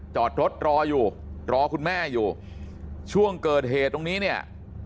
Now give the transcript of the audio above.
จอดรถรออยู่รอคุณแม่อยู่ช่วงเกิดเหตุตรงนี้เนี่ย